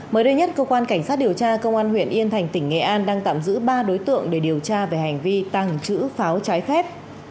mới đây nhất cơ quan cảnh sát điều tra công an huyện yên thành tỉnh nghệ an đang tạm giữ ba đối tượng để điều tra về hành vi tàng trữ pháo trái phép